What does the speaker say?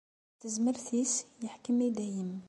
S tezmert-is, iḥkem i dayem.